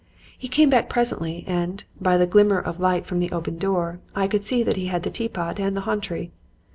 He came back presently, and, by the glimmer of light from the open door, I could see that he had the teapot and the 'hontry.'